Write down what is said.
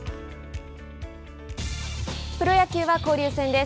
プロ野球は交流戦です。